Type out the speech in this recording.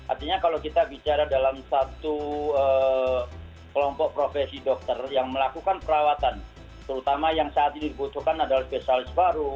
artinya kalau kita bicara dalam satu kelompok profesi dokter yang melakukan perawatan terutama yang saat ini dibutuhkan adalah spesialis baru